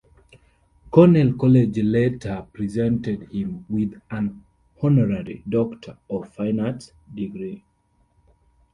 Cornell College later presented him with an honorary Doctor of Fine Arts degree.